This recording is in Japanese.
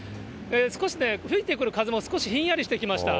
少し吹いてくる風も、少しひんやりしてきました。